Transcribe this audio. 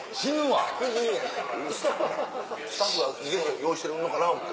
スタッフが自転車用意してるのかな思うて。